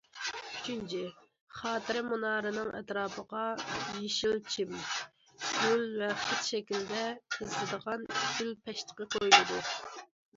ئۈچىنچى، خاتىرە مۇنارىنىڭ ئەتراپىغا يېشىل چىم، گۈل ۋە خەت شەكلىدە تىزىلىدىغان گۈل پەشتىقى قويۇلىدۇ.